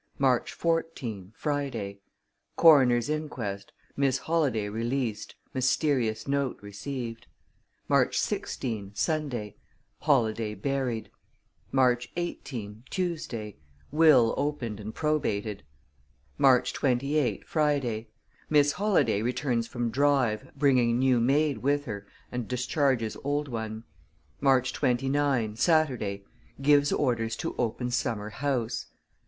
March 14, Friday Coroner's inquest; Miss Holladay released; mysterious note received. March 16, Sunday Holladay buried. March 18, Tuesday Will opened and probated. March 28, Friday Miss Holladay returns from drive, bringing new maid with her and discharges old one. March 29, Saturday Gives orders to open summer house.